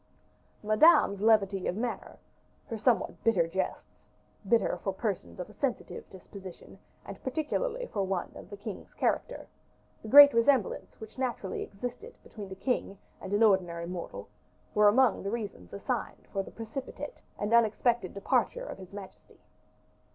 Madame's levity of manner, her somewhat bitter jests, bitter for persons of a sensitive disposition, and particularly for one of the king's character; the great resemblance which naturally existed between the king and an ordinary mortal, were among the reasons assigned for the precipitate and unexpected departure of his majesty.